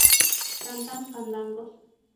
Cantan fandangos